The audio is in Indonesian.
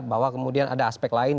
bahwa kemudian ada aspek lain